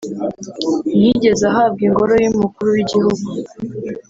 ntiyigeze ahabwa ingoro y’umukuru w’igihugu